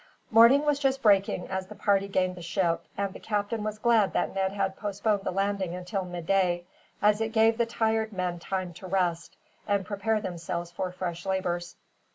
Morning was just breaking as the party gained the ship, and the captain was glad that Ned had postponed the landing until midday; as it gave the tired men time to rest, and prepare themselves for fresh labors.